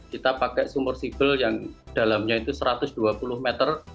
kita pakai sumur sibel yang dalamnya itu satu ratus dua puluh meter